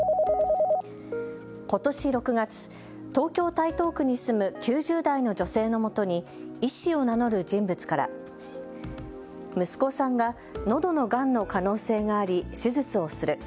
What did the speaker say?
ことし６月、東京・台東区に住む９０代の女性のもとに医師を名乗る人物から息子さんが、のどのがんの可能性があり手術をする。